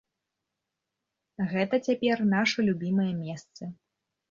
Гэта цяпер нашы любімыя месцы.